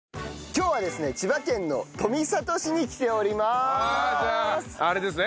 今日はですね千葉県の富里市に来ております。